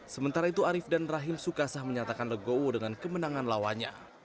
sementara itu arief dan rahim sukasah menyatakan legowo dengan kemenangan lawannya